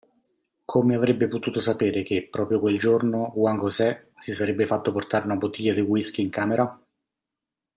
Come avrebbe potuto sapere che proprio quel giorno Juan José si sarebbe fatto portare una bottiglia di whisky in camera?